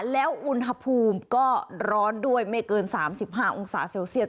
แล้วอุณหภูมิก็ร้อนด้วยไม่เกิน๓๕องศาเซลเซียต